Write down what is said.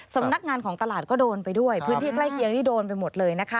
สำนักงานของตลาดก็โดนไปด้วยพื้นที่ใกล้เคียงนี่โดนไปหมดเลยนะคะ